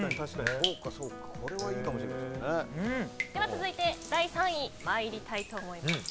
続いて第３位参りたいと思います。